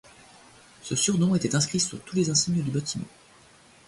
Ce surnom était inscrit sur tous les insignes du bâtiment.